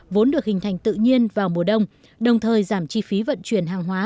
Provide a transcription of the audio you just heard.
vốn được hình thành tự nhiên vào mùa đông đồng thời giảm chi phí vận chuyển hàng hóa